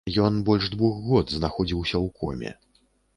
Ён больш двух год знаходзіўся ў коме.